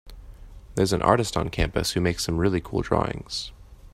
There’s an artist on campus who makes some really cool drawings.